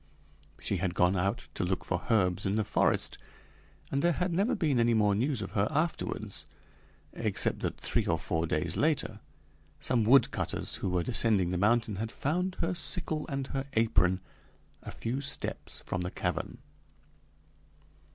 She had gone out to look for herbs in the forest, and there had never been any more news of her afterwards, except that, three or four days later, some woodcutters who were descending the mountain had found her sickle and her apron a few steps from the cavern.